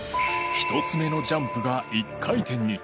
１つ目のジャンプが１回転に。